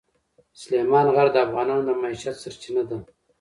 سلیمان غر د افغانانو د معیشت سرچینه ده.